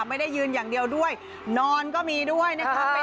ไม่ได้ยืนอย่างเดียวด้วยนอนก็มีด้วยนะครับ